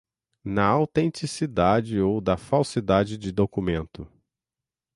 da autenticidade ou da falsidade de documento.